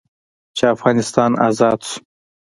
چې افغانستان ازاد سو.